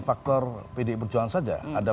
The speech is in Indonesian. faktor pdi perjuangan saja ada